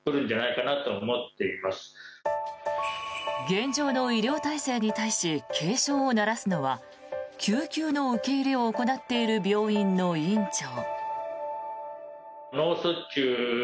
現状の医療体制に対し警鐘を鳴らすのは救急の受け入れを行っている病院の院長。